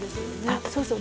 あそうそう。